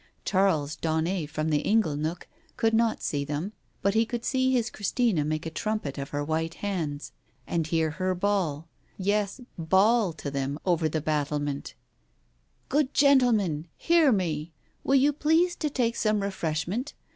Charles Daunet, from the ingle nook, could not see them but he could see his Christina make a trumpet of her white hands and hear her bawl — yes, bawl — to them over the battlement — "Good gentlemen, hear me. Will you please to take some refreshment